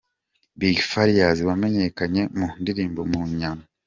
Big Farious wamenyekanye mu ndirimbo Munyana,.